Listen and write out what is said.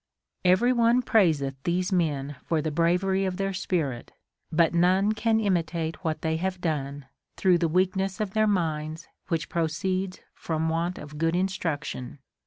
Every one praiseth these men for the bravery of their spirit, but none can imitate what they have done, through the weakness of their minds which proceeds from want of good instruction.